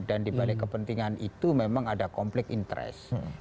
dan di balik kepentingan itu memang ada konflik interest